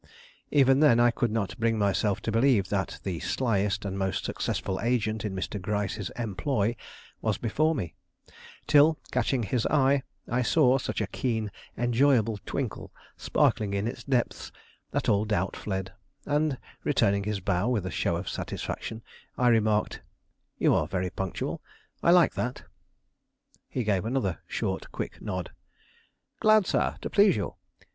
Even then I could not bring myself to believe that the slyest and most successful agent in Mr. Gryce's employ was before me, till, catching his eye, I saw such a keen, enjoyable twinkle sparkling in its depths that all doubt fled, and, returning his bow with a show of satisfaction, I remarked: "You are very punctual. I like that." He gave another short, quick nod. "Glad, sir, to please you.